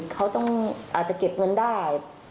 เขาต้องอาจจะเก็บเงินได้